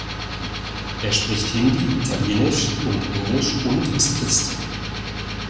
Er spricht Hindi, Italienisch und Englisch und ist Christ.